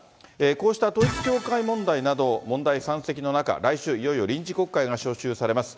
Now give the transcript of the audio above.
こうした統一教会問題など、問題山積の中、来週、いよいよ臨時国会が召集されます。